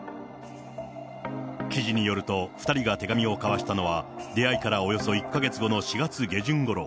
記事によると、２人が手紙を交わしたのは、出会いからおよそ１か月後の４月下旬ごろ。